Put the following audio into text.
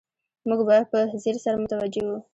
موږ به په ځیر سره متوجه وو.